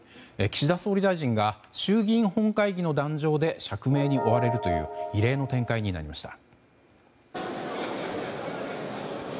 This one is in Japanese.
岸田総理大臣が衆議院本会議の壇上で釈明に追われるという異例の展開になりました。